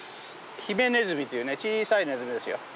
ヒメネズミというね小さいネズミですよ。